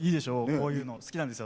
こういうの好きなんです。